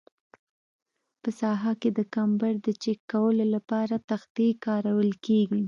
په ساحه کې د کمبر د چک کولو لپاره تختې کارول کیږي